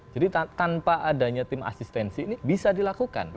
jadi tanpa adanya tim asistensi ini bisa dilakukan